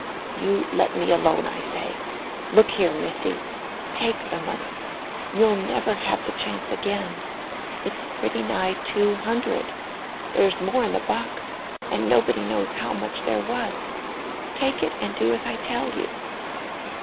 "You let me alone, I say. Look here, missy. Take the money. You'll never have the chance again. It's pretty nigh two hundred—there's more in the box, and nobody knows how much there was. Take it and do as I tell you."